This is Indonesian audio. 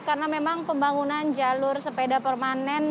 karena memang pembangunan jalur sepeda permanen